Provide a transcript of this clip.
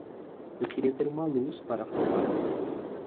Eu queria ter uma luz para fumar.